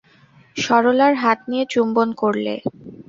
সরলার হাত নিয়ে চুম্বন করলে।